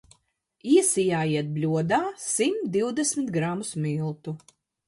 Iesijājiet bļodā simt divdesmit gramus miltu.